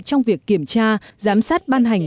trong việc kiểm tra giám sát ban hành